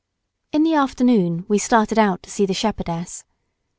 In the afternoon we started out to see the shepherdess.